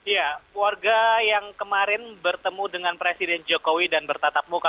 ya warga yang kemarin bertemu dengan presiden jokowi dan bertatap muka